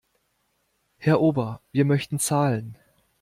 Herr Ober, wir möchten zahlen.